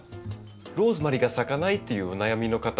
ローズマリーが咲かないというお悩みの方